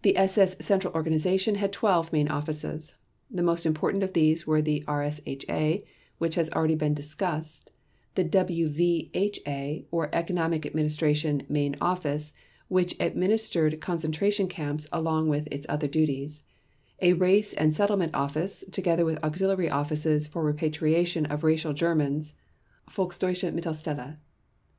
The SS Central Organization had 12 main offices. The most important of these were the RSHA, which has already been discussed, the WVHA or Economic Administration Main Office which administered concentration camps along with its other duties, a Race and Settlement Office together with auxiliary offices for repatriation of racial Germans (Volksdeutschemittelstelle).